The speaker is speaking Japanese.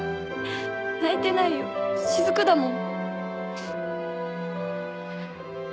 泣いてないよしずくだもん。